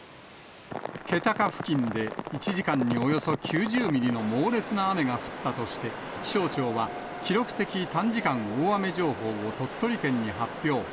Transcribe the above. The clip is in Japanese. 気高付近で１時間におよそ９０ミリの猛烈な雨が降ったとして、気象庁は記録的短時間大雨情報を鳥取県に発表。